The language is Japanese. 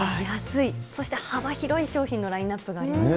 そして幅広い商品のラインナップがありますね。